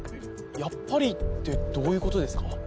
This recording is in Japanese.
やっぱりってどういう事ですか？